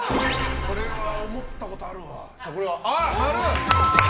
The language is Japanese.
これは思ったことあるわ。